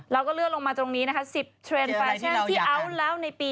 เราก็เลือกลงมาตรงนี้นะคะ๑๐เทรนด์ฟาชั่นที่อัวน์แล้วในปี๒๐๑๘